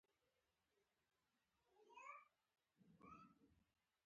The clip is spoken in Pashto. او بیا پوړنی پر سرکړم